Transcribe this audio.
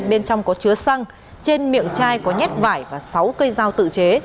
bên trong có chứa xăng trên miệng chai có nhát vải và sáu cây dao tự chế